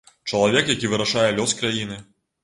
Чалавек, які вырашае лёс краіны.